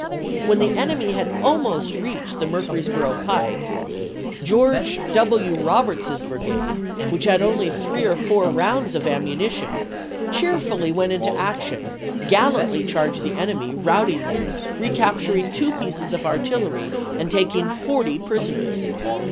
When the enemy had almost reached the Murfreesboro pike, George PEREYVILLE AND MUKFREESBOKO 289 W. Roberts's brigade, which had only three or four rounds of ammunition, "cheerfully went into ac tion, gallantly charged the enemy, routing them, recapturing two pieces of artillery and taking forty prisoners."